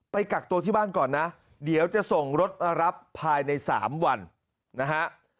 กักตัวที่บ้านก่อนนะเดี๋ยวจะส่งรถมารับภายใน๓วันนะฮะ